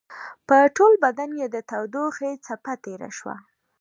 په ټول بدن يې د تودوخې څپه تېره شوه.